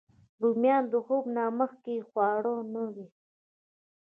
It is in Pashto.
رومیان د خوب نه مخکې خواړه نه دي